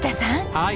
はい。